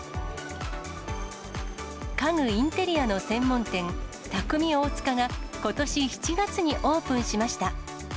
家具インテリアの専門店、匠大塚がことし７月にオープンしました。